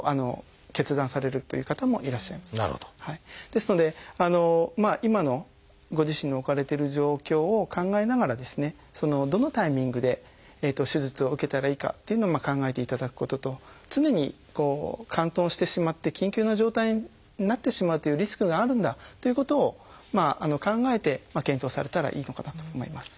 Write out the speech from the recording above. ですので今のご自身の置かれてる状況を考えながらですねどのタイミングで手術を受けたらいいかっていうのを考えていただくことと常にこう嵌頓してしまって緊急な状態になってしまうというリスクがあるんだということを考えて検討されたらいいのかなと思います。